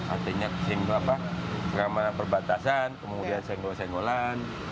artinya pengamanan perbatasan kemudian senggol senggolan